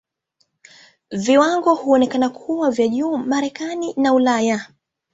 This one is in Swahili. Viwango huonekana kuwa vya juu Marekani na Ulaya.